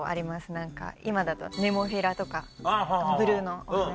何か今だとネモフィラとかブルーのお花とか。